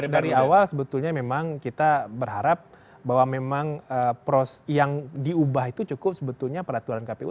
dari awal sebetulnya memang kita berharap bahwa memang yang diubah itu cukup sebetulnya peraturan kpu